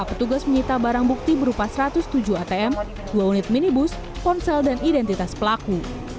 petugas menyita barang bukti berupa satu ratus tujuh atm dua unit minibus ponsel dan identitas pelaku